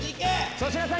粗品さん